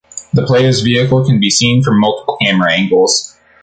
The player's vehicle can be seen from multiple camera angles.